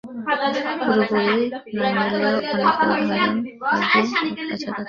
পুরোপুরি নামিললেও অনেক উদাহরণ থাকবে খুব কাছাকাছি।